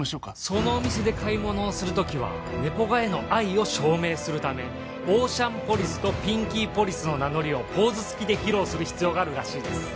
そのお店で買い物をする時は『ネポガ』への愛を証明するためオーシャンポリスとピンキーポリスの名乗りをポーズ付きで披露する必要があるらしいです。